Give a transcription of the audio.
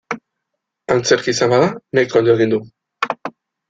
Antzerkia izan bada nahiko ondo egin du.